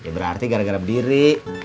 berarti gara gara berdiri